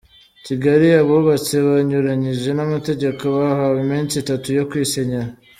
Kigali Abubatse banyuranyije n’amategeko bahawe iminsi itatu yo kwisenyera